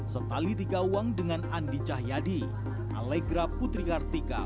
setali tiga uang dengan andi cahyadi alegra putri kartika